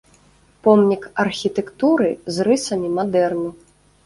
Помнік архітэктуры з рысамі мадэрну.